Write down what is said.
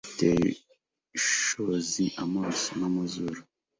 Biteye ishozi amaso n'amazuru